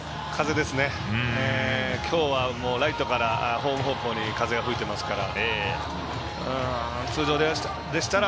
きょうはライトからホーム方向に風が吹いていますから。